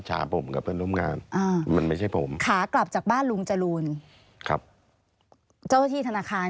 เจ้าที่ธนาคารคุยกันในรถต่อไหมค่ะ